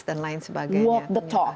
dan lain sebagainya